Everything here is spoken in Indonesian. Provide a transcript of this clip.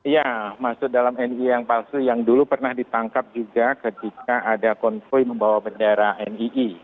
ya masuk dalam nii yang palsu yang dulu pernah ditangkap juga ketika ada konvoy membawa bendera nii